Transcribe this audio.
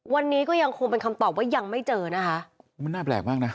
วันนี้ก็ยังคงเป็นคำตอบว่ายังไม่เจอนะคะมันน่าแปลกมากน่ะ